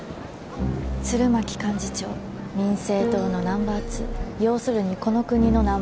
鶴巻幹事長民政党のナンバー２要するにこの国のナンバー２。